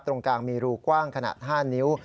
ตรงกลางมีรูกว้างขนาด๕นิ้ว